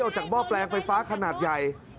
จากหม้อแปลงไฟฟ้าขนาดใหญ่